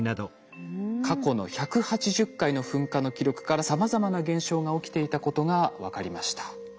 過去の１８０回の噴火の記録からさまざまな現象が起きていたことが分かりました。